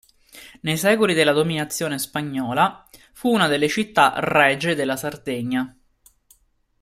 Nei secoli della dominazione spagnola fu una delle città regie della Sardegna.